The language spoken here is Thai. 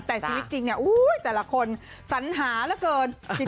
แต่ชีวิตจริงแต่ละคนสัญหาเรื่องหนักเกิน